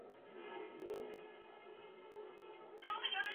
Reino Unido: Palgrave.